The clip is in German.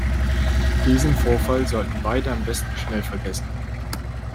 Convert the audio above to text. Diesen Vorfall sollten beide am besten schnell vergessen.